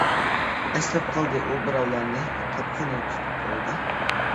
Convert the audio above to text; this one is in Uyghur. ئەسلەپ قالدى ئۇ بىراۋلارنى، قاپىقىنى تۇتۇپ قولىدا.